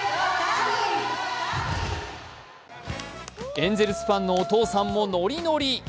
エンゼルスファンのお父さんもノリノリ。